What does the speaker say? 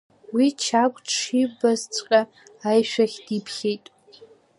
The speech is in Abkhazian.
Уи Чагә дшибазҵәҟьа аишәахь диԥхьеит.